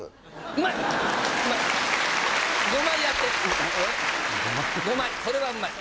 うまい！